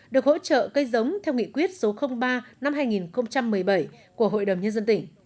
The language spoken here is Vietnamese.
được hỗ trợ cây giống theo nghị quyết số ba năm hai nghìn một mươi bảy của hội đồng nhân dân tỉnh